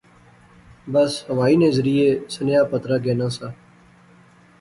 بس ہوائی نے ذریعے سنیاہ پترا گینا سا